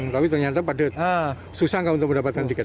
tapi ternyata padat susah untuk mendapatkan tiket